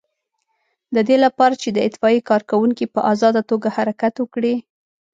د دې لپاره چې د اطفائیې کارکوونکي په آزاده توګه حرکت وکړي.